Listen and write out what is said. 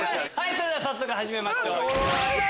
それでは早速始めましょう。